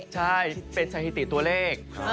ใช่เป็นสถิติตัวเลข